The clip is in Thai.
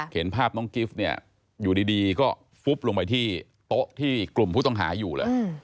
เห็นภาพน้องกิฟต์เนี่ยอยู่ดีก็ฟุบลงไปที่โต๊ะที่กลุ่มผู้ต้องหาอยู่เลย